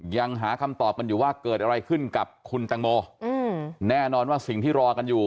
ยังหาคำตอบกันอยู่ว่าเกิดอะไรขึ้นกับคุณตังโมอืมแน่นอนว่าสิ่งที่รอกันอยู่